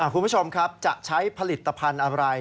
คุณผู้ชมครับจะใช้ผลิตภัณฑ์อะไร